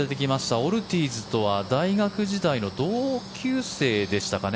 オルティーズとは大学時代の同級生でしたかね。